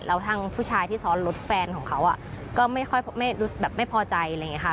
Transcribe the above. แล้วทางผู้ชายที่ซ้อนรถแฟนของเขาก็ไม่ค่อยแบบไม่พอใจอะไรอย่างนี้ค่ะ